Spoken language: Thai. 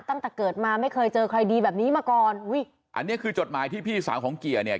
ตั้งแต่เกิดมาไม่เคยเจอใครดีแบบนี้มาก่อนอุ้ยอันนี้คือจดหมายที่พี่สาวของเกียร์เนี่ย